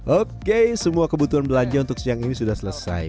oke semua kebutuhan belanja untuk siang ini sudah selesai